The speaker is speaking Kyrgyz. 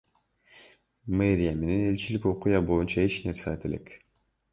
Мэрия менен элчилик окуя боюнча эч нерсе айта элек.